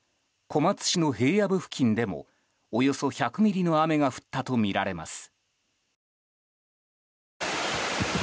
小松市の平野部付近でもおよそ１００ミリの雨が降ったとみられます。